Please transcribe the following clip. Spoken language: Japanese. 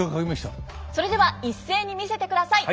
それでは一斉に見せてください。